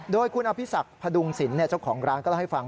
โดยคุณอภิษักพดุงศิลป์เจ้าของร้านก็เล่าให้ฟัง